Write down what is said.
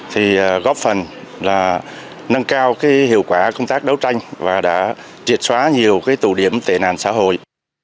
thì góp phần là nâng cao hiệu quả công tác đấu tranh và đã triệt xóa nhiều cái tụ điểm tệ nạn xã hội